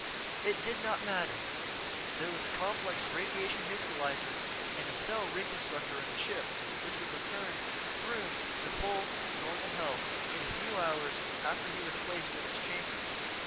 It did not matter there was a complex radiation neutralizer and cell reconstructor in the ship which would return Throon to full, normal health a few hours after he was placed in its chamber.